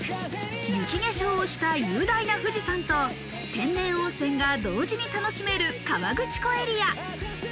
雪化粧をした雄大な富士山と天然温泉が同時に楽しめる河口湖エリア。